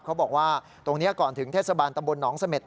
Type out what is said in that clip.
เขาบอกว่าตรงนี้ก่อนถึงเทศบาลตำบลหนองเสม็ด